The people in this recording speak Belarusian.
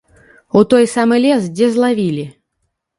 У той самы лес, дзе злавілі.